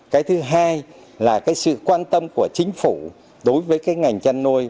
cái thứ hai là cái sự quan tâm của chính phủ đối với cái ngành chăn nuôi